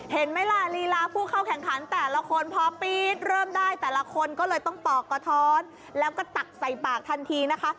เห็นไหมล่ะลีลาผู้เข้าแข่งขันแต่ละคนพอปี๊ดเริ่มได้แต่ละคนก็เลยต้องปอกกระท้อนแล้วก็ตักใส่ปากทันทีนะคะ